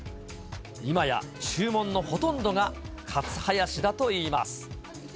今や注文のほとんどがカツハヤシだといいます。